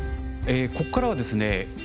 ここからはですね